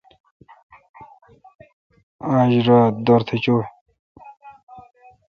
آج را دورتھ چوی۔